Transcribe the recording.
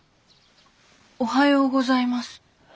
おはようございます。